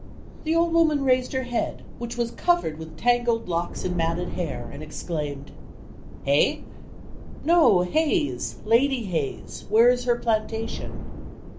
The old woman raised her head, which was covered with tangled locks and matted hair, and exclaimed "Hey?" "No, Hayes, Lady Hayes; where is her plantation?"